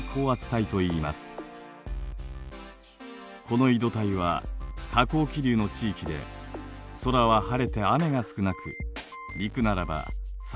この緯度帯は下降気流の地域で空は晴れて雨が少なく陸ならば砂漠地帯になります。